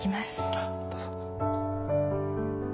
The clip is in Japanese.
あっどうぞ。